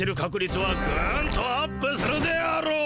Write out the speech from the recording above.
つはグンとアップするであろう！